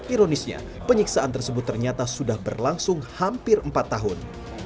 ironisnya penyiksaan tersebut ternyata sudah berlangsung hampir empat tahun